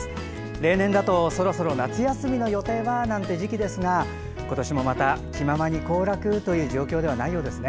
例年だとそろそろ夏休みの予定はなんていう時期ですが今年もまた、気ままに行楽という状況ではないようですね。